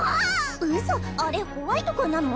ウソあれホワイト君なの？